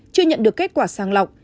chưa nhận được kết quả sàng lọc